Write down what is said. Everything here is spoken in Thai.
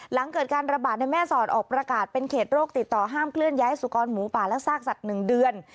หลังเกิดการระบาดในแม่สอดออกประกาศเป็นเขตโรคติดต่อห้ามเคลื่อนย้ายสุกรหมูป่าและซากสัตว์๑เดือน